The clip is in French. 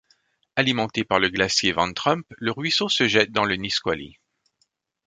Alimenté par le glacier Van Trump, le ruisseau se jette dans le Nisqually.